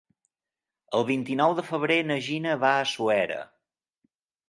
El vint-i-nou de febrer na Gina va a Suera.